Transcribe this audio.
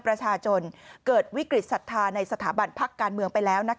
ประชาชนเกิดวิกฤตศรัทธาในสถาบันพักการเมืองไปแล้ว